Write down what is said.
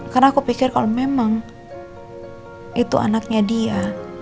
karena aku pikir kalo memang itu anaknya dia